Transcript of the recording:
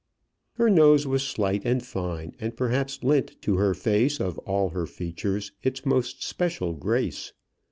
Her nose was slight and fine, and perhaps lent to her face, of all her features, its most special grace.